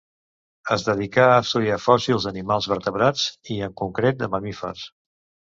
Es dedicà a estudiar fòssils d'animals vertebrats, i en concret, de mamífers.